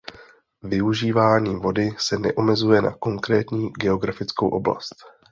Využívání vody se neomezuje na konkrétní geografickou oblast.